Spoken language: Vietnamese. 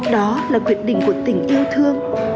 đó là quyết định của tình yêu thương